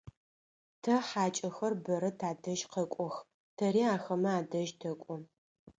Тэ хьакӏэхэр бэрэ тадэжь къэкӏох, тэри ахэмэ адэжь тэкӏо.